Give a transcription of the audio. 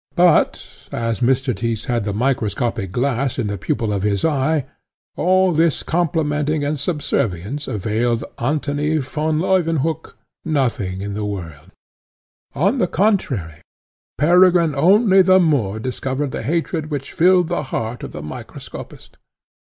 But, as Mr. Tyss had the microscopic glass in the pupil of his eye, all this complimenting and subservience availed Antony von Leuwenhock nothing in the world; on the contrary, Peregrine only the more discovered the hatred which filled the heart of the microscopist.